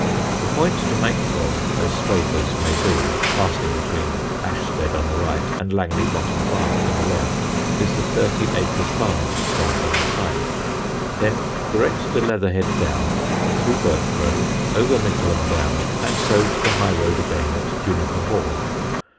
The point to make for, as straight as may be (passing between Ashstead on the right and Langley Bottom farm on the left), is the Thirty acres Barn, right on the site. Then direct to Leatherhead Down, through Birchgrove, over Mickleham Down, and so to the high road again at Juniper Hall.